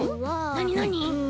なになに？